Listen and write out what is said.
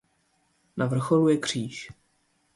Na vrcholu je kříž.